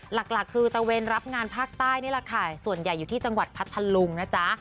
หลักคือตะเวนรับงานภาคใต้นี่แหละค่ะส่วนใหญ่อยู่ที่จังหวัดพัทธลุงนะจ๊ะ